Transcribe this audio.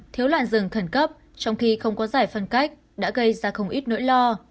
thiếu làn rừng khẩn cấp trong khi không có giải phân cách đã gây ra không ít nỗi lo